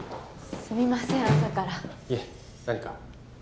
すみません朝からいえ何か？